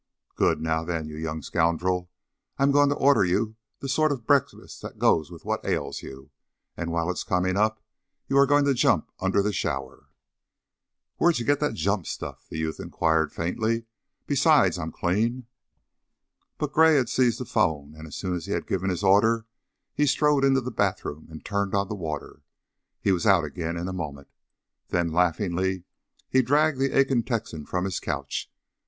"Good! Now then, you young scoundrel, I'm going to order you the sort of breakfast that goes with what ails you, and while it is coming up, you are going to jump under the shower." "Where d'you get that 'jump' stuff?" the youth inquired, faintly. "Besides, I'm clean." But Gray had seized the phone, and as soon as he had given his order he strode into the bathroom and turned on the water. He was out again in a moment, then laughingly he dragged the aching Texan from his couch.